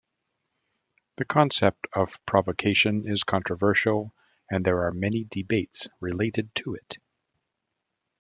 The concept of provocation is controversial, and there are many debates related to it.